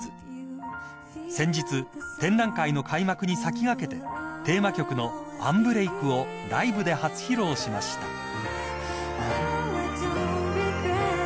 ［先日展覧会の開幕に先駆けてテーマ曲の『Ｕｎｂｒｅａｋ』をライブで初披露しました］